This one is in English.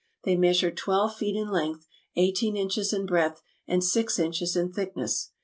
They meas ured twelve feet in length, eighteen inches in breadth, and six inches in thickness.